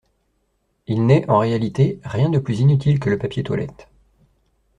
Il n’est, en réalité, rien de plus inutile que le papier toilette.